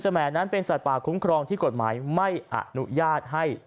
แหมนั้นเป็นสัตว์ป่าคุ้มครองที่กฎหมายไม่อนุญาตให้